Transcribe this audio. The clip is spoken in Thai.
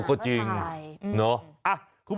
ขอบคุณนะ